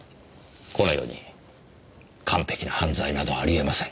この世に完璧な犯罪などありえません。